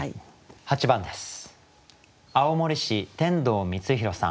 ８番です。